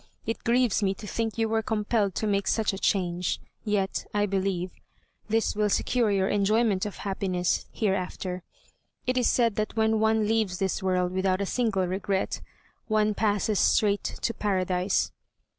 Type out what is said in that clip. It grieves me to think you were compelled to make such a change; yet, I believe, this will secure your enjoyment of happiness hereafter. It is said that when one leaves this world without a single regret, one passes straight to Paradise."